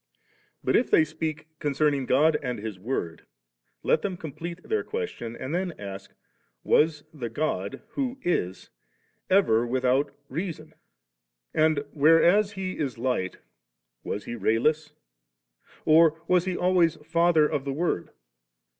But if they speak con* ceming God and His Word, let them com plete their question and then ask. Was die God, *who is,' ever without Reason? and, whereas He is Light, was He ray less? or was He always Father of the Word